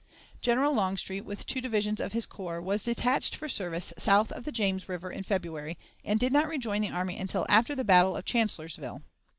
General Longstreet, with two divisions of his corps, was detached for service south of James River in February, and did not rejoin the army until after the battle of Chancellorsville.